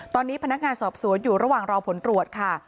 ตอนนี้พนักงานสอบสวนอยู่ระหว่างรอผลตรวจค่ะ